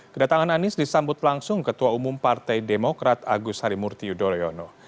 kedatangan anies disambut langsung ketua umum partai demokrat agus harimurti yudhoyono